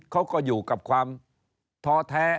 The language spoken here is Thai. เขาก็อยู่กับความท้อแท้